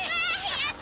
やった！